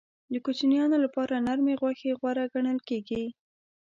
د کوچنیانو لپاره نرمې غوښې غوره ګڼل کېږي.